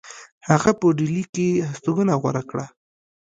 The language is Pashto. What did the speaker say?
هغه په ډهلی کې هستوګنه غوره کړه.